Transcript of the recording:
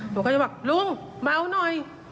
หนูก็จะบอกลุงเมาหน่อย